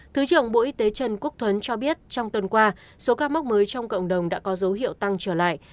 thứ trưởng bộ y tế trần quốc tuấn cho biết trong tuần qua số ca mắc mới trong cộng đồng đã có dấu hiệu tăng trở lại